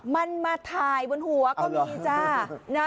มันมาถ่ายบนหัวก็มีจ้า